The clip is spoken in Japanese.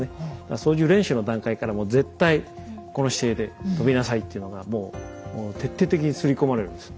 操縦練習の段階からもう絶対この姿勢で飛びなさいっていうのがもう徹底的にすり込まれるんです。